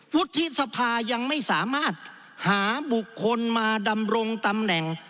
วุฒิสภายังไม่สามารถหาบุคคลมาดำรงตำแหน่ง